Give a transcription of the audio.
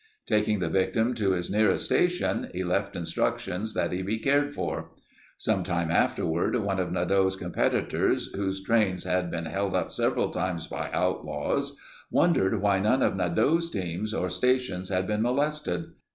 Taking the victim to his nearest station, he left instructions that he be cared for. Sometime afterward, one of Nadeau's competitors whose trains had been held up several times by outlaws, wondered why none of Nadeau's teams or stations had been molested.